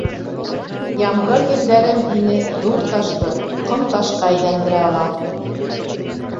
Ямғыр, елдәрем һине, ҙур ташты, ҡом-ташҡа әйләндерә ала.